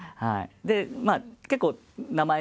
で結構名前